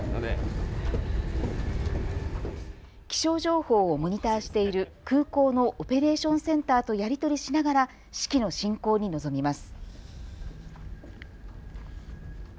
気象情報をモニターしている空港のオペレーションセンターとやり取りしながら式の進行に臨みます。